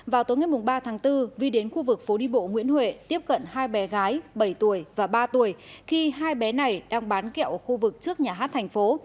vào tối ngày ba tháng bốn vi đến khu vực phố đi bộ nguyễn huệ tiếp cận hai bé gái bảy tuổi và ba tuổi khi hai bé này đang bán kẹo ở khu vực trước nhà hát thành phố